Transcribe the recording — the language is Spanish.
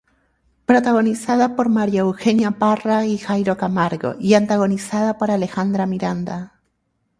Protagonizada por María Eugenia Parra y Jairo Camargo y antagonizada por Alejandra Miranda.